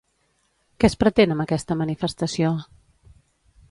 Què es pretén amb aquesta manifestació?